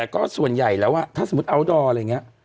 ก็ธอดส่วนใหญ่แล้วอะถ้าสมมุติอัวอุดอดอะไรอย่างนี้